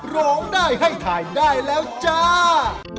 ร้องได้ให้ถ่ายได้แล้วจ้า